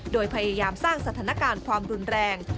โดยพยายามสร้างสถานการณ์ความรุนแรง